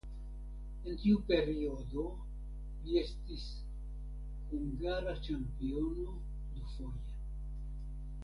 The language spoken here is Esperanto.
En tiu periodo li estis hungara ĉampiono dufoje.